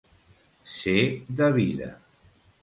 Ser de vida.